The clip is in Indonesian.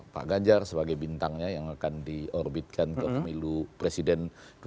pak ganjar sebagai bintangnya yang akan diorbitkan ke pemilu presiden dua ribu sembilan belas